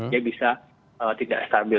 ya bisa tidak stabil